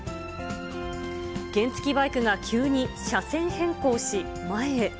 原付きバイクが急に車線変更し、前へ。